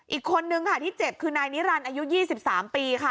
อีกคนนึงค่ะที่เจ็บคือนายนิรันดิ์อายุ๒๓ปีค่ะ